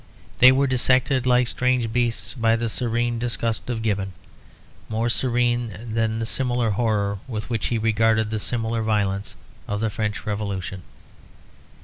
They were dissected like strange beasts by the serene disgust of Gibbon, more serene than the similar horror with which he regarded the similar violence of the French Revolution.